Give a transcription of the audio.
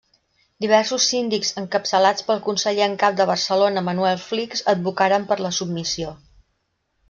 Diversos síndics encapçalats pel conseller en cap de Barcelona Manuel Flix advocaren per la submissió.